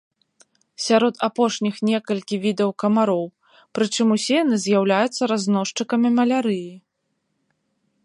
Сярод апошніх некалькі відаў камароў, прычым усе яны з'яўляюцца разносчыкамі малярыі.